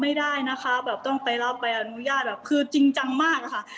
ไม่ได้นะคะแบบต้องไปรับใบอนุญาตแบบคือจริงจังมากอะค่ะ